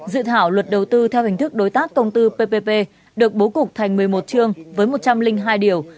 dự thảo luật đầu tư theo hình thức đối tác công tư ppp được bố cục thành một mươi một chương với một trăm linh hai điều